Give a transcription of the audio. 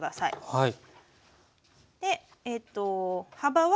はい。